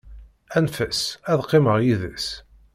Anef-as, ad qqimeɣ yis-s.